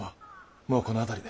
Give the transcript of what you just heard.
もうこの辺りで。